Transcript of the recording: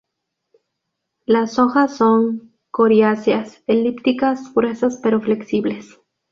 Las hojas son coriáceas, elípticas, gruesas pero flexibles.